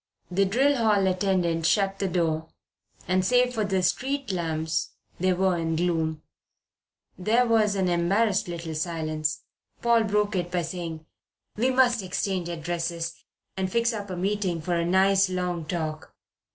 The drill hall attendant shut the door, and save for the street lamps they were in gloom. There was an embarrassed little silence. Paul broke it by saying: "We must exchange addresses, and fix up a meeting for a nice long talk."